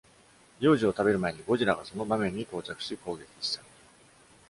幼児を食べる前にゴジラがその場面に到着し攻撃した。